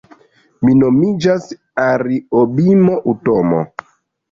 Mi nomiĝas Ariobimo Utomo